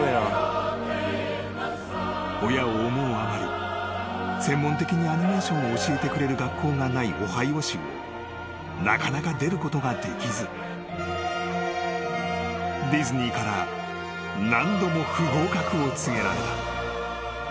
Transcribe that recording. ［親を思うあまり専門的にアニメーションを教えてくれる学校がないオハイオ州をなかなか出ることができずディズニーから何度も不合格を告げられた］